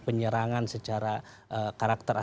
penyerangan secara karakter